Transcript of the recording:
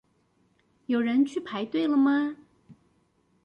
有人去排隊了嗎？